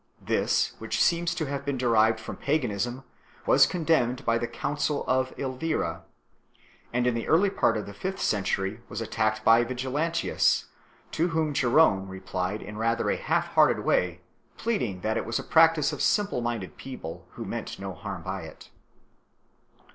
This, which seems to have been derived from paganism, was condemned by the Council of Elvira 3 , and in the early part of the fifth century was attacked by Vigilantius, to whom Jerome 4 replied in rather a half hearted way, pleading that it was a practice of simple minded people who meant no harm by it.